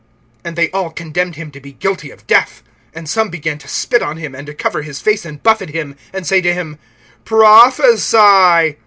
And they all condemned him to be guilty of death. (65)And some began to spit on him, and to cover his face and buffet him, and say to him: Prophesy.